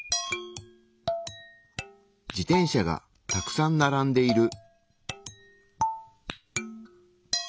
自転車がたくさんならんでいる。